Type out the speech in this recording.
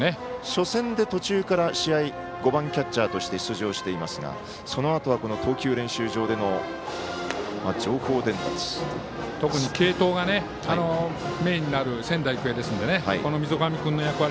初戦で途中から試合５番キャッチャーとして出場していますがそのあとは特に継投がメインになる仙台育英ですので溝上君の役割